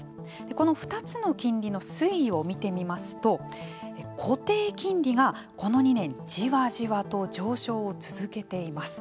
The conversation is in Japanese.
この２つの金利の推移を見てみますと固定金利が、この２年じわじわと上昇を続けています。